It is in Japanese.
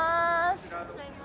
ありがとうございます。